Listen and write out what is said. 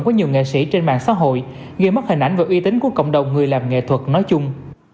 của nhiều nghệ sĩ trên mạng xã hội gây mất hình ảnh và uy tín của cộng đồng người làm nghệ thuật nói chung